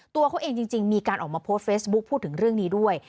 ตัวเขาเองจริงมีการออกมาโพสต์เฟซบุ๊คพูดถึงเรื่องนี้ด้วย